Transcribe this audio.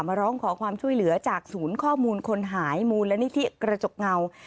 มาร้องขอความช่วยเหลือจากศูนย์ข้อมูลคนหายมูลนิธิกระจกเงา